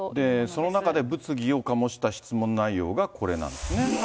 その中で物議をかもした質問内容がこれなんですね。